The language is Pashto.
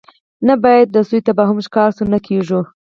نه باید د سوء تفاهم ښکار شو، نه کېږو.